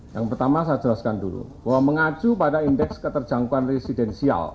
yang pertama saya jelaskan dulu bahwa mengacu pada indeks keterjangkauan residensial